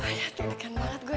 wah ya deg degan banget gue